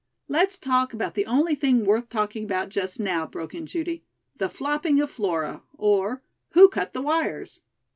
"Let's talk about the only thing worth talking about just now," broke in Judy. "The Flopping of Flora; or, Who Cut the Wires?"